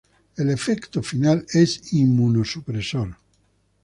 El efecto final es inmunosupresor.